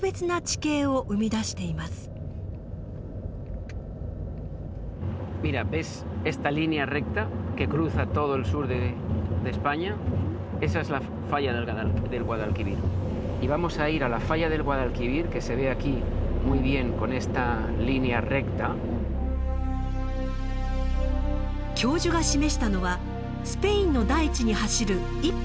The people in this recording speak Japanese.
教授が示したのはスペインの大地に走る１本の線